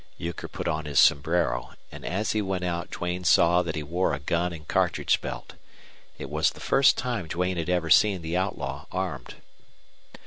Euchre put on his sombrero, and as he went out Duane saw that he wore a gun and cartridge belt. It was the first time Duane had ever seen the outlaw armed.